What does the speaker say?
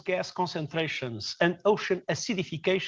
dan kondisi lautan di bumi meningkat